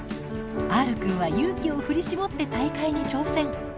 Ｒくんは勇気を振り絞って大会に挑戦。